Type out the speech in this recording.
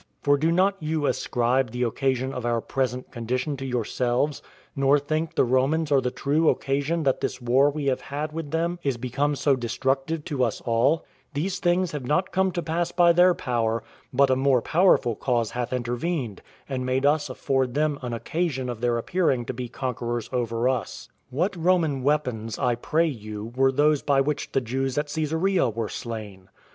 For do not you ascribe the occasion of our present condition to yourselves, nor think the Romans are the true occasion that this war we have had with them is become so destructive to us all: these things have not come to pass by their power, but a more powerful cause hath intervened, and made us afford them an occasion of their appearing to be conquerors over us. What Roman weapons, I pray you, were those by which the Jews at Cesarea were slain?